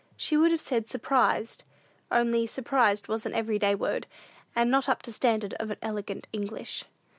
She would have said "surprised" only surprised was an every day word, and not up to standard of elegant English.